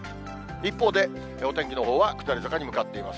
一方でお天気のほうは下り坂に向かっています。